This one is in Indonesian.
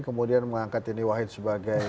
kemudian mengangkat yeni wahid sebagai